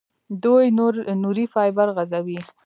دوی نوري فایبر غځوي.